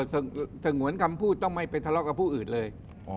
สงวนคำพูดต้องไม่ไปทะเลาะกับผู้อื่นเลย